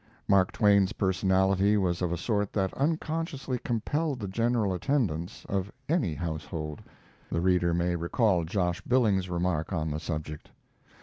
Mark Twain's personality was of a sort that unconsciously compelled the general attendance of any household. The reader may recall Josh Billings's remark on the subject.